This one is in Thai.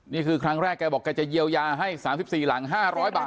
นี่คือครั้งแรกแกบอกแกจะเยียวยาให้๓๔หลัง๕๐๐บาท